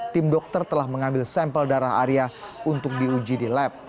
tim dokter telah mengambil sampel darah arya untuk diuji di lab